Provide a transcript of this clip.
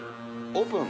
オープン！